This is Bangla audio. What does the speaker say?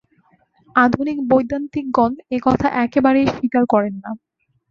আধুনিক বৈদান্তিকগণ এ কথা একেবারেই স্বীকার করেন না।